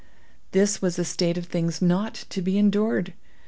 This was a state of things not to be endured.